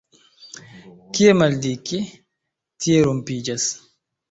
Kie maldike, tie rompiĝas.